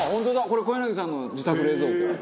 これ小柳さんの自宅冷蔵庫。